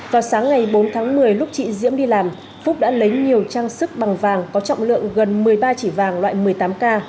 vào sáng ngày bốn tháng một mươi lúc chị diễm đi làm phúc đã lấy nhiều trang sức bằng vàng có trọng lượng gần một mươi ba chỉ vàng loại một mươi tám k